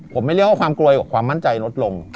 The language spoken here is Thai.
ผมไม่เรียกว่าความกลัวความมั่นใจลดลง